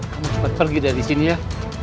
kamu sempat pergi dari sini ya